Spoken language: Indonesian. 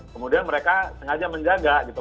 kemudian mereka sengaja menjaga gitu